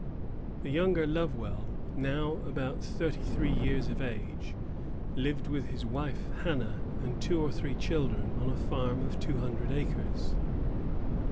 The younger Lovewell, now about thirty three years of age, lived with his wife, Hannah, and two or three children on a farm of two hundred acres.